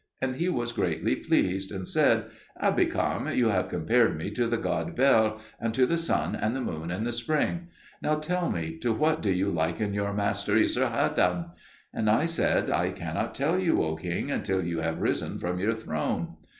And he was greatly pleased, and said, "Abikam, you have compared me to the god Bel, and to the sun and the moon and the spring; now tell me, to what do you liken your master Esarhaddon?" I said, "I cannot tell you, O king, until you have risen from your throne."